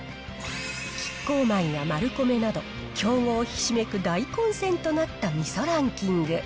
キッコーマンやマルコメなど、競合ひしめく大混戦となったみそランキング。